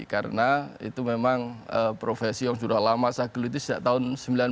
karena itu memang profesi yang sudah lama saya geluti sejak tahun seribu sembilan ratus sembilan puluh satu